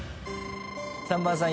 ３番さん